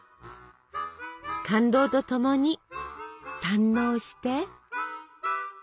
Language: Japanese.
感動と共に堪能して！